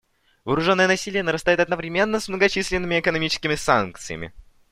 Вооруженное насилие нарастает одновременно с многочисленными экономическими санкциями.